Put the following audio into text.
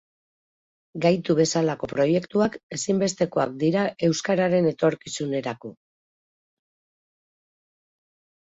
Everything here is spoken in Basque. Gaitu bezalako proiektuak ezinbestekoak dira euskararen etorkizunerako.